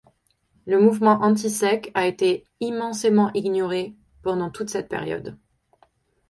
Le mouvement anti-sec a été immensément ignoré pendant toute cette période.